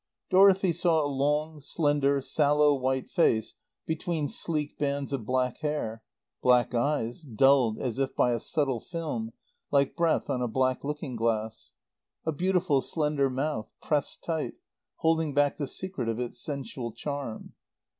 Dorothy saw a long, slender, sallow white face, between sleek bands of black hair; black eyes, dulled as if by a subtle film, like breath on a black looking glass; a beautiful slender mouth, pressed tight, holding back the secret of its sensual charm.